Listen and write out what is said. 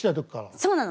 そうなの。